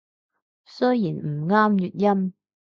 雖然唔啱粵音